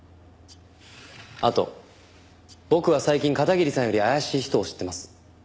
あと僕は最近片桐さんより怪しい人を知ってます。